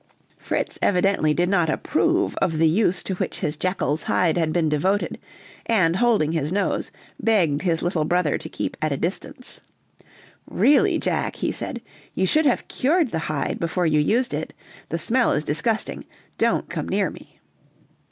Fritz evidently did not approve of the use to which his jackal's hide had been devoted, and holding his nose, begged his little brother to keep at a distance. "Really, Jack," he said, "you should have cured the hide before you used it; the smell is disgusting; don't come near me."